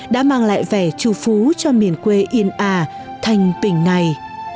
đã mang lại vẻ trù phú cho miền quê yên à thành bình này